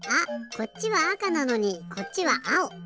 こっちはあかなのにこっちはあお！